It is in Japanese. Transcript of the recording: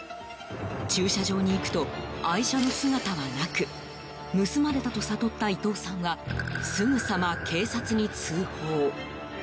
駐車場に行くと愛車の姿はなく盗まれたと悟った伊藤さんはすぐさま警察に通報。